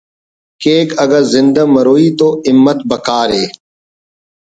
کیک اگہ زندہ مروئی ءِ تو ہمت بکار ءِ